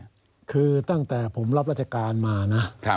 คือตั้งแต่ผมรับราชการมานะ